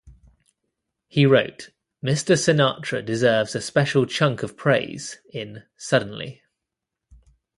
He wrote, "Mr. Sinatra deserves a special chunk of praise...In "Suddenly!